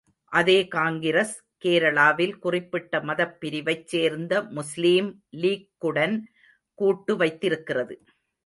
அதே காங்கிரஸ், கேரளாவில் குறிப்பிட்ட மதப் பிரிவைச் சேர்ந்த முஸ்லீம் லீக்குடன் கூட்டு வைத்திருக்கிறது.